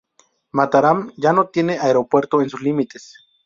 Mataram ya no tiene aeropuerto en sus límites.